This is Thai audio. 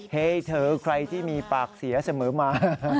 ให้เธอใครที่มีปากเสียเสมอมา